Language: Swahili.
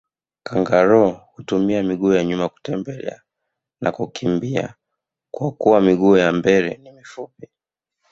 Kangaroo hutumia miguu ya nyuma kutembea na kukimbia kwakuwa miguu ya mbele ni mifupi